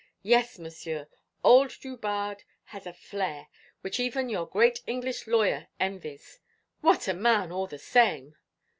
Yes, Monsieur, old Drubarde has a flair, which even your great English lawyer envies. What a man, all the same!"